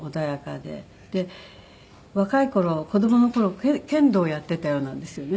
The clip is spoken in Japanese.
で若い頃子供の頃剣道をやっていたようなんですよね。